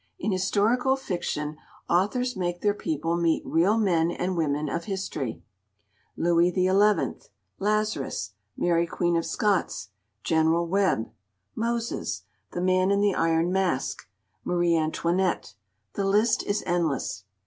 In historical fiction authors make their people meet real men and women of history—Louis XI., Lazarus, Mary Queen of Scots, General Webbe, Moses, the Man in the Iron Mask, Marie Antoinette; the list is endless.